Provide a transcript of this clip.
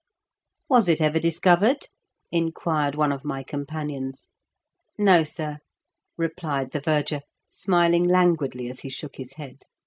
" Was it ever discovered ?" inquired one of my companions. "No, sir," replied the verger, smiling languidly as he shook his head.